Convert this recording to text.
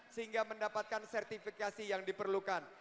sehingga mendapatkan sertifikasi yang diperlukan